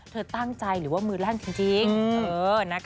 เธอตั้งใจหรือว่ามือลั่นจริง